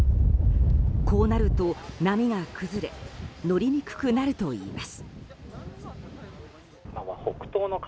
こうなると波が崩れ乗りにくくなるといいます。